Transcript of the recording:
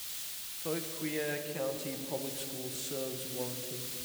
Fauquier County Public Schools serves Warrenton.